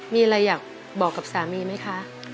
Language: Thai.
มีอะไรอยากบอกกับสามีไหมคะ